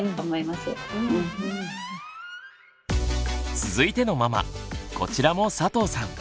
続いてのママこちらも佐藤さん。